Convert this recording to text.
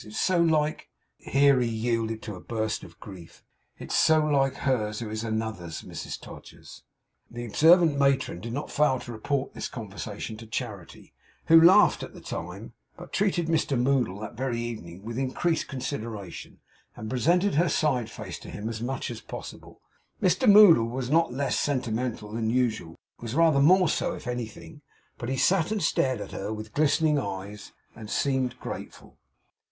It's so like;' here he yielded to a burst of grief. 'It's so like hers who is Another's, Mrs Todgers!' The observant matron did not fail to report this conversation to Charity, who laughed at the time, but treated Mr Moddle that very evening with increased consideration, and presented her side face to him as much as possible. Mr Moddle was not less sentimental than usual; was rather more so, if anything; but he sat and stared at her with glistening eyes, and seemed grateful.